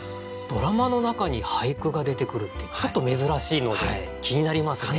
ドラマの中に俳句が出てくるってちょっと珍しいので気になりますね。